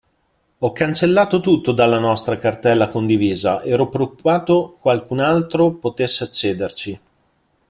Ho cancellato tutto dalla nostra cartella condivisa, ero preoccupato qualcun altro potesse accederci.